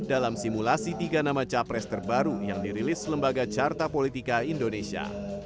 dalam simulasi tiga nama capres terbaru yang dirilis lembaga carta politika indonesia